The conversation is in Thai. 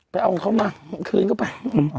ไปเอาเข้ามาคืนก็ไป